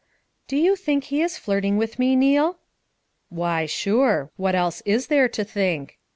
; Do you think he is flirting with me, Neal?" 'Why, sure. What else is there to think?